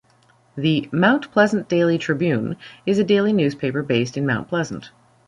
The "Mount Pleasant Daily Tribune" is a daily newspaper based in Mount Pleasant.